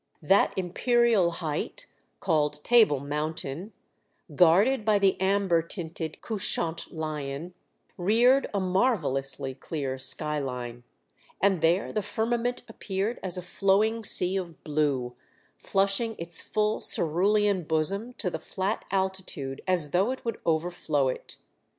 That im perial height called Table Mountain, guarded by the amber tinted couchant lion, reared a marvellously clear sky line, and there the firmament appeared as a flowing sea of blue, flushing its full cerulean bosom to the fiat altitude as though it would overflow it.